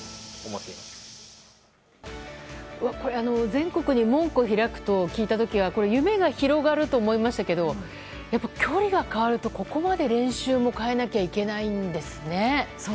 全国に門戸を開くと聞いた時は夢が広がると思いましたが距離が変わると、ここまで練習も変えなきゃいけないんですね。